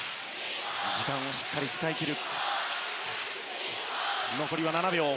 時間をしっかり使い切る。